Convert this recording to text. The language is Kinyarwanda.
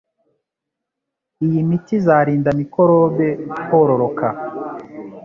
Iyi miti izarinda mikorobe kororoka